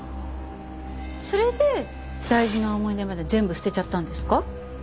それで大事な思い出まで全部捨てちゃったんですか？